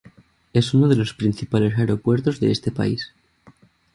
Es uno de los principales aeropuertos de este país.